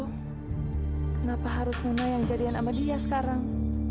kenapa harus muna yang jadian sama dia sekarang